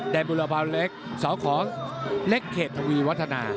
แดนบุรพาลเล็กสาวขอเล็กเขตทวีวัฒนา